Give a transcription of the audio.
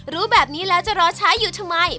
รู้แบบนี้แล้วจะรอช้าอยู่ทำไม